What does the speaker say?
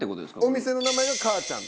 お店の名前が「かあちゃん」。